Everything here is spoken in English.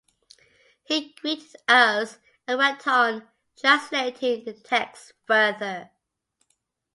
He greeted us and went on translating the text further.